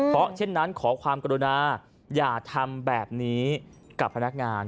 เพราะเช่นนั้นขอความกรุณาอย่าทำแบบนี้กับพนักงาน